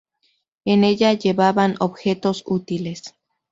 En ella llevaban objetos útiles.